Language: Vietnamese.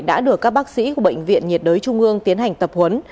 đã được các bác sĩ của bệnh viện nhiệt đới trung ương tiến hành tập huấn